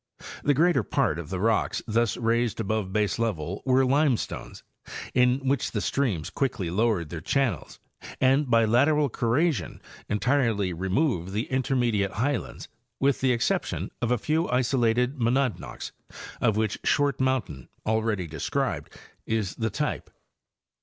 The greater part of the rocks thus raised above baselevel were limestones, in which the streams quickly lowered their channels and by lateral corrasion entirely removed the intermediate highlands, with the exception of a few isolated monadnocks, of which Short mountain, already described, is the type.